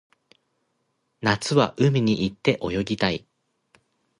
夏は海に行って泳ぎたい